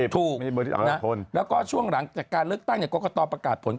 ถูกแล้วก็ช่วงหลังจากการเลือกตั้งกรกตประกาศผล